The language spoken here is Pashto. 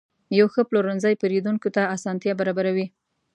یو ښه پلورنځی پیرودونکو ته اسانتیا برابروي.